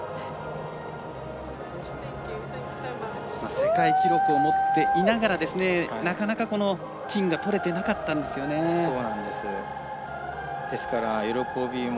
世界記録を持っていながらなかなか金が取れていなかったんですよね。